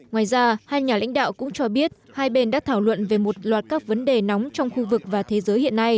ngoài ra hai nhà lãnh đạo cũng cho biết hai bên đã thảo luận về một loạt các vấn đề nóng trong khu vực và thế giới hiện nay